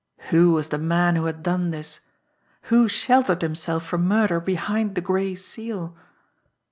Who was the man who had done this, who sheltered himself from murder behind the Gray Seal!